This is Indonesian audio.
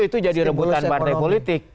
itu jadi rebutan partai politik